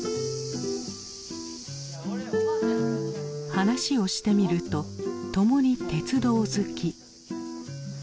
話をしてみると共に鉄道好き。